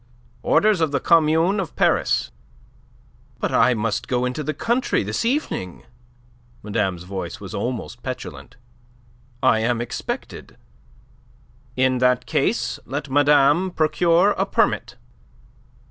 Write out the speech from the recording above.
"Orders of the Commune of Paris." "But I must go into the country this evening." Madame's voice was almost petulant. "I am expected." "In that case let madame procure a permit."